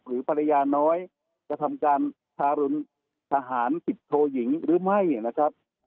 หรือภรรยาน้อยกระทำการทารุณทหารสิบโทยิงหรือไม่นะครับ